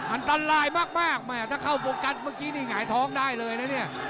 อันตรายมากแม่ถ้าเข้าโฟกัสเมื่อกี้นี่หงายท้องได้เลยนะเนี่ย